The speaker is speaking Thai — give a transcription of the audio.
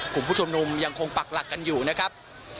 กลุ่มผู้ชุมนุมยังคงปักหลักกันอยู่นะครับ